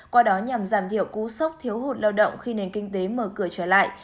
qua đó nhằm giảm thiểu cú sốc thiếu hụt lao động khi nền kinh tế mở cửa trở lại